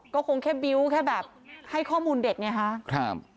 ก็คงแค่บิ้วแค่แบบให้ข้อมูลเด็กไงฮะครับ